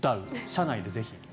車内でぜひ。